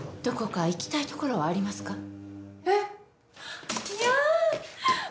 どこか行きたいところはありますか？